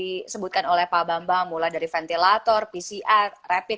disebutkan oleh pak bambang mulai dari ventilator pcr rapid